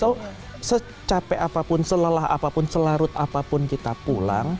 so secape apapun selelah apapun selarut apapun kita pulang